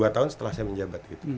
dua tahun setelah saya menjabat